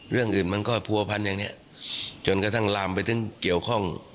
เรื่องอื่นมันก็ผัวพันอย่างนี้จนกระทั่งลามไปถึงเกี่ยวข้อง